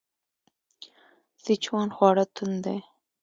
سیچوان خواړه توند دي.